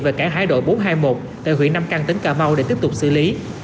về cảng hải đội bốn trăm hai mươi một tại huyện nam căn tỉnh cà mau để tiếp tục xử lý